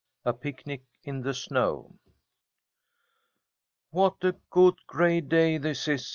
A PICNIC IN THE SNOW "WHAT a good gray day this is!"